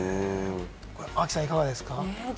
亜希さん、いかがですか？